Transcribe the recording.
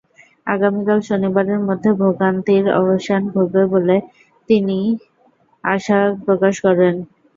আগামীকাল শনিবারের মধ্যে ভোগান্তির অবসান ঘটবে বলে তিনি আশা প্রকাশ করেন।